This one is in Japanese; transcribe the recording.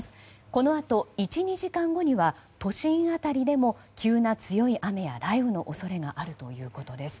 このあと１２時間後には都心辺りでも急な強い雨や雷雨の恐れがあるということです。